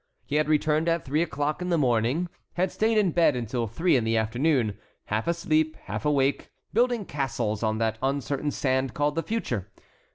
He had returned at three o'clock in the morning, had stayed in bed until three in the afternoon, half asleep, half awake, building castles on that uncertain sand called the future.